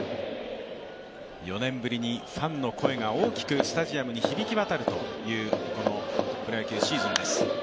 ４年ぶりにファンの声が大きくスタジアムに響きわたるというこのプロ野球シーズンです。